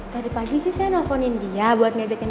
tadi pagi sih saya nelfonin dia buat nebekin